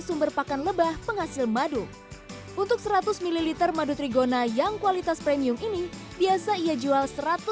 sumber pakan lebah penghasil madu untuk seratus ml madu trigona yang kualitas premium ini biasa ia jual